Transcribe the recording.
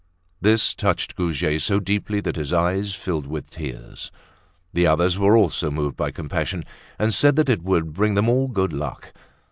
This touched Goujet so deeply that his eyes filled with tears. The others were also moved by compassion and said that it would bring them all good luck.